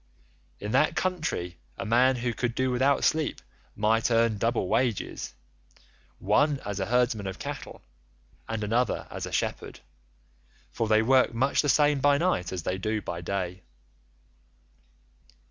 In that country a man who could do without sleep might earn double wages, one as a herdsman of cattle, and another as a shepherd, for they work much the same by night as they do by day.